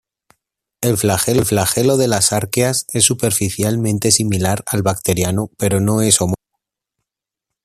El flagelo de las arqueas es superficialmente similar al bacteriano pero no es homólogo.